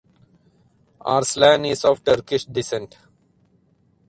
Arslan is of Turkish descent.